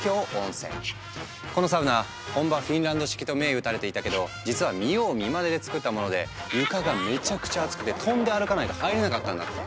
このサウナ本場フィンランド式と銘打たれていたけど実は見よう見まねで作ったもので床がめちゃくちゃアツくて跳んで歩かないと入れなかったんだって。